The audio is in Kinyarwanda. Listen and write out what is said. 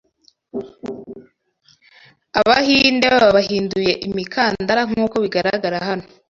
abahinde babahinduye imikandara, nkuko bigaragara hano